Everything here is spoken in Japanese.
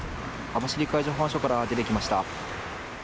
網走海上保安署から出てきました。